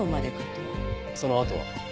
そのあとは？